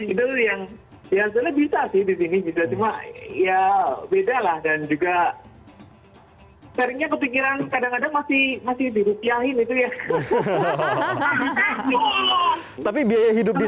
itu yang ya sebenarnya bisa sih di sini juga cuma ya beda lah dan juga seringnya kepikiran kadang kadang masih masih dirupiahin itu ya